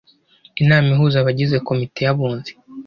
Inama ihuza abagize Komite y’Abunzi